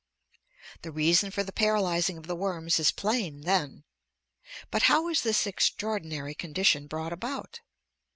The reason for the paralyzing of the worms is plain then. But how is this extraordinary condition brought about?